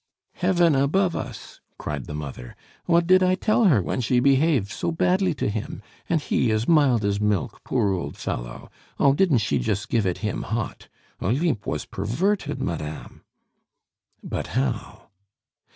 "Heaven above us!" cried the mother. "What did I tell her when she behaved so badly to him, and he as mild as milk, poor old fellow? Oh! didn't she just give it him hot? Olympe was perverted, madame?" "But how?"